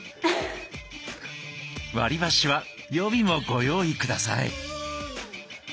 割りばしは予備もご用意ください。